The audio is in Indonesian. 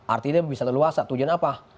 artinya dia bisa leluasa tujuan apa